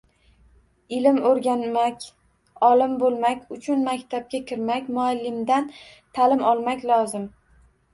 Ilm o’rganmak, olim bo’lmak uchun maktabga kirmak, muallimdan ta’lim olmak lozim